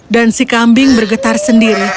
dan si kambing bergetar sendiri